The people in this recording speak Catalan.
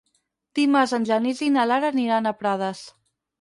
Dimarts en Genís i na Lara aniran a Prades.